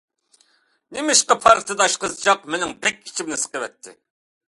-نېمىشقا؟ -پارتىداش قىزچاق مىنىڭ بەك ئىچىمنى سىقىۋەتتى.